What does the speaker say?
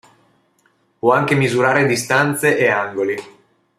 Può anche misurare distanze e angoli.